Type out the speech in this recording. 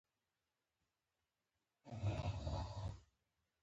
لوڼي دوعا ګویه دي.